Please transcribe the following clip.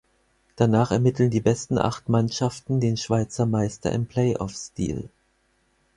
Danach ermitteln die besten acht Mannschaften den Schweizer Meister im Playoff-Stil.